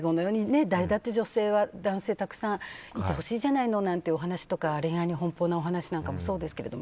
誰だって女性は男性、たくさんいてほしいじゃないのなんて話とか恋愛に奔放なお話もそうですけど。